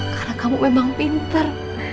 karena kamu memang pintar